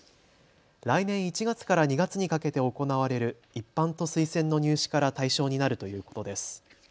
来年１月から２月にかけて行われる一般と推薦の入試から対象になるということです。